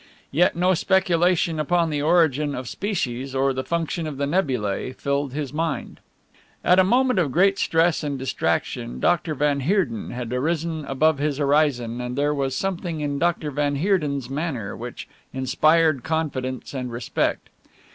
Yet no speculation upon the origin of species or the function of the nebulæ filled his mind. At a moment of great stress and distraction, Dr. van Heerden had arisen above his horizon, and there was something in Dr. van Heerden's manner which inspired confidence and respect.